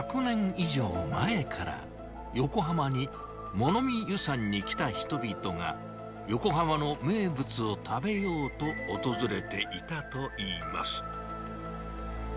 以上前から横浜に物見遊山に来た人々が、横浜の名物を食べようと訪れていたといいます。